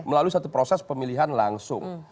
melalui satu proses pemilihan langsung